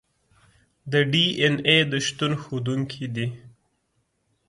د ډي این اې د شتون ښودونکي دي.